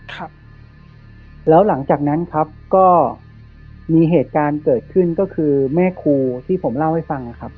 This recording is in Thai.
ครับแล้วหลังจากนั้นครับก็มีเหตุการณ์เกิดขึ้นก็คือแม่ครูที่ผมเล่าให้ฟังนะครับ